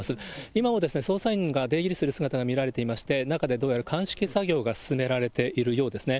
今も捜査員が出入りする姿が見られていまして、中でどうやら、鑑識作業が進められているようですね。